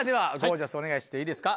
ジャスお願いしていいですか？